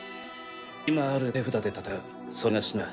今ある手札で戦うそれが忍だ